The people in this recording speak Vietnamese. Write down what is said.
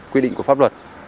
quy định của pháp luật